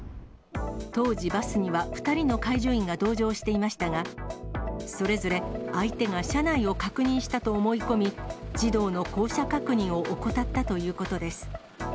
当時、バスには２人の介助員が同乗していましたが、それぞれ相手が車内を確認したと思い込み、児童の降車確認を怠ったということです。